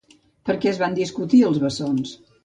Per què es van discutir els bessons?